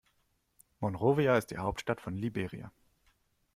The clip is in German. Monrovia ist die Hauptstadt von Liberia.